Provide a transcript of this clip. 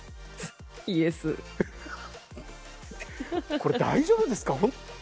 これ、大丈夫ですか。